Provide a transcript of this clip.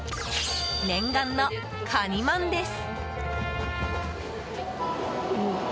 念願のかにまんです。